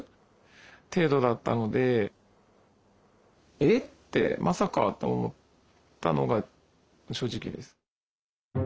「えっ？まさか」と思ったのが正直です。